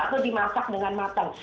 atau dimasak dengan matang